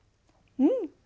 うん。